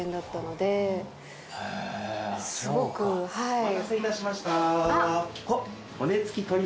お待たせいたしました。